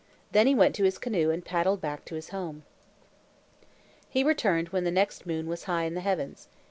Then he went to his canoe and paddled back to his home. He returned when the next moon was high in the heavens.